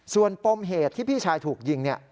ส่วนปมเหตุที่พี่ชายถูกยิง